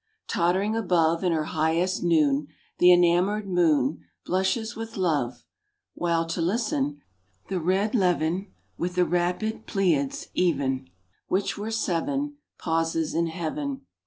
Tottering above In her highest noon, The enamoured moon Blushes with love, While, to listen, the red levin (With the rapid Pleiads, even, Which were seven) Pauses in Heaven.